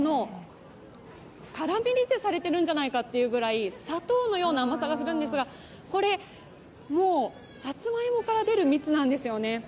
カラメリゼされているんじゃないかというぐらい砂糖の甘さがするんですがこれ、もうさつまいもから出る蜜なんですよね。